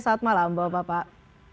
selamat malam bapak